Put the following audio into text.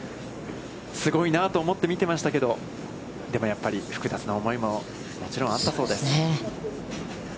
すごいなと思って見てましたけど、でも、やっぱり複雑な思いももちろん、あったそうです。